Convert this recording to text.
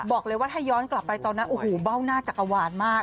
บอกเลยว่าถ้าย้อนกลับไปตอนนั้นโอ้โหเบ้าหน้าจักรวาลมาก